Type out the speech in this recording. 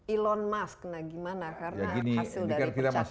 elon musk nah gimana karena hasil dari pecakaan